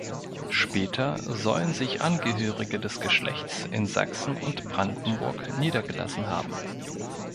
Später sollen sich Angehörige des Geschlechts in Sachsen und Brandenburg niedergelassen haben.